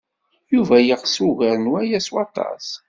Yuba yeɣs ugar n waya s waṭas.